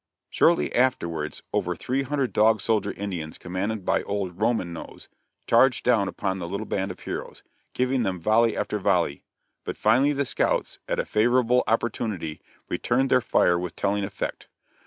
Shortly afterwards over three hundred Dog Soldier Indians commanded by old "Roman Nose," charged down upon the little band of heroes, giving them volley after volley; but finally the scouts, at a favorable opportunity, returned their fire with telling effect.